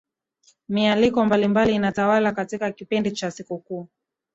mialiko mbalimbali inatawala katika kipindi cha sikukuu